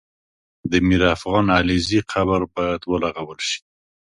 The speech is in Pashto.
د میرافغان علیزي قبر باید ورغول سي